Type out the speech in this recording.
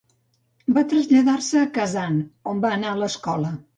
Va traslladar-se a Kazan, on va anar a l'escola.